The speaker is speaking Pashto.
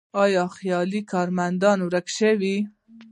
آیا خیالي کارمندان ورک شوي؟